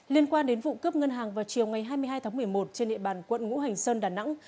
liên quan đến vụ cướp ngân hàng vào chiều ngày hai mươi hai tháng một mươi một trên địa bàn quận ngũ hành sơn đà nẵng